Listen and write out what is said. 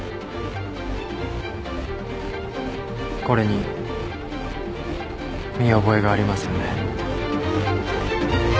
これに見覚えがありますよね？